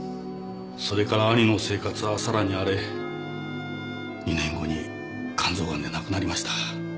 それから兄の生活はさらに荒れ２年後に肝臓がんで亡くなりました。